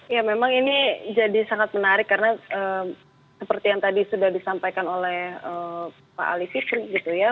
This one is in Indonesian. ya memang ini jadi sangat menarik karena seperti yang tadi sudah disampaikan oleh pak ali fitri gitu ya